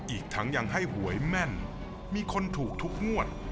อีกทั้งยังให้หวยแม่นมีคนถูกทุกงวด